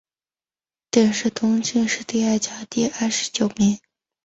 殿试登进士第二甲第二十九名。